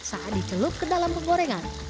saat dicelup ke dalam penggorengan